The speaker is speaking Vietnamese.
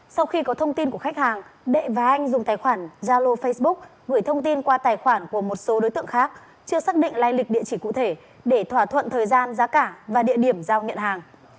sau khi có thông tin của khách hàng đệ và anh dùng tài khoản zalo facebook gửi thông tin qua tài khoản của một số đối tượng khác chưa xác định lai lịch địa chỉ cụ thể để thỏa thuận thời gian giá cả và địa điểm giao nhận hàng